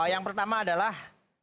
yang pertama adalah